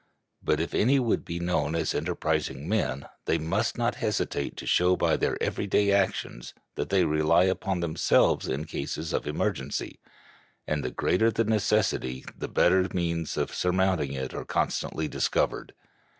But if any would be known as enterprising men, they must not hesitate to show by their every day actions that they rely upon themselves in cases of emergency, and the greater the necessity the better means of surmounting it are constantly discovered.